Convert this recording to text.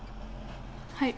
はい。